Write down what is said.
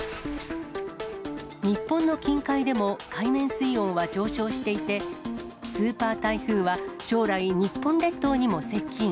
日本の近海でも海面水温は上昇していて、スーパー台風は将来、日本列島にも接近。